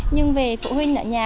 nhưng về phụ huynh ở nhà